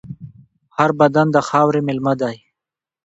هر بدن د خاورې مېلمه دی.